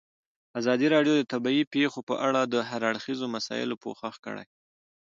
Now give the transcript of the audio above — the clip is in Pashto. ازادي راډیو د طبیعي پېښې په اړه د هر اړخیزو مسایلو پوښښ کړی.